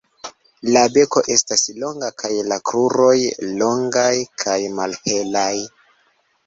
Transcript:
La beko estas longa kaj la kruroj longaj kaj malhelaj.